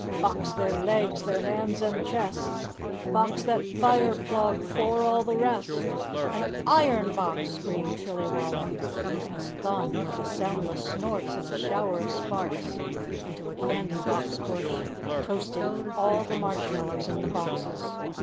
Box their legs, their hands and chests, box that fire plug 'fore all the rest! An IRON box!" screamed Chillywalla, as Thun, with a soundless snort, sent a shower of sparks into a candy box bush, toasting all the marshmallows in the boxes.